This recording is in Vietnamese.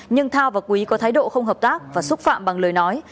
nhưng thao và quý có thái độ không hợp tác và xúc phạm bằng lời nói